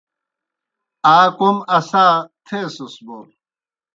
آ کوْم اسا تھیسَس بوْ